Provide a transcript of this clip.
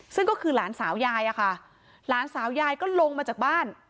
ซึ่งก็คือหลานสาวยายอะค่ะหลานสาวยายก็ลงมาจากบ้าน